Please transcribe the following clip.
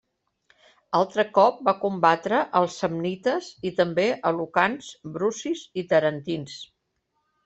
Altre cop va combatre als samnites, i també a lucans, brucis i tarentins.